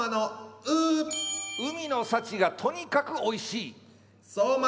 海の幸がとにかくおいしい。